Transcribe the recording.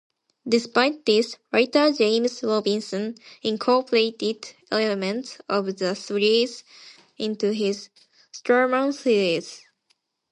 Despite this, writer James Robinson incorporated elements of the series into his "Starman" series.